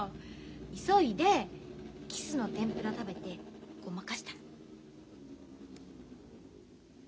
急いでキスの天ぷら食べてごまかしたの。